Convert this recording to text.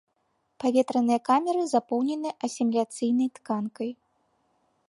Паветраныя камеры запоўнены асіміляцыйнай тканкай.